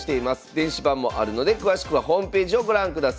電子版もあるので詳しくはホームページをご覧ください。